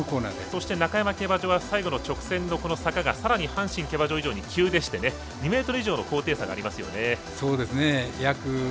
中山競馬場は最後の直線の坂がさらに阪神競馬場以上に急でして２ｍ以上の高低差がありますよね。